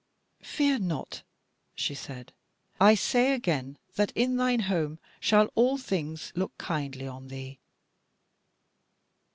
"Fear not," she said; "I say again that in thine home shall all things look kindly on thee."